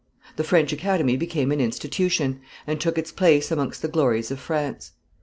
The French Academy became an institution, and took its place amongst the glories of France.